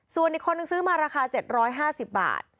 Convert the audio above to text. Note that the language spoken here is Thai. ส่วนอีกคนนึงซื้อมาราคา๗๕๐บาท